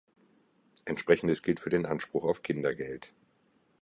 Entsprechendes gilt für den Anspruch auf Kindergeld.